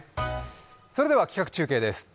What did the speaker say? それでは企画中継です。